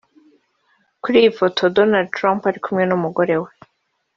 kuri iyi foto Donald Trump ari kumwe n’ umugore we